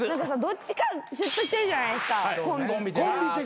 どっちかシュッとしてるじゃないですかコンビって。